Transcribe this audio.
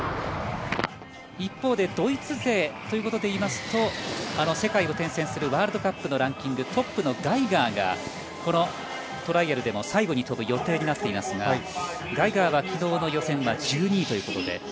一方でドイツ勢ということでいいますと世界を転戦するワールドカップのランキングトップのガイガーがこのトライアルでも最後に飛ぶ予定になっていますがガイガーは昨日の予選は１２位ということで。